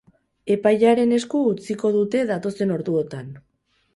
Epailearen esku utziko dute datozen orduotan.